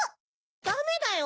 ダメだよ。